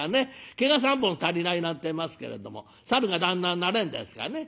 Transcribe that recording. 毛が３本足りないなんてえますけれどもサルが旦那になれんですかね」。